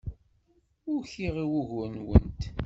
Ukiɣ i wugur-nwent.